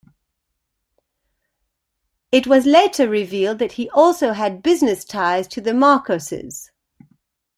It was later revealed that he also had business ties to the Marcoses.